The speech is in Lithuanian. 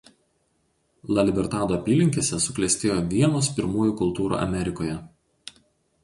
La Libertado apylinkėse suklestėjo vienos pirmųjų kultūrų Amerikoje.